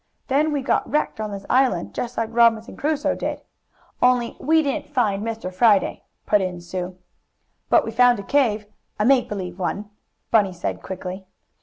"Then we got wrecked on this island, just like Robinson Crusoe did." "Only we didn't find Mr. Friday," put in Sue. "But we found a cave a make believe one," Bunny said quickly.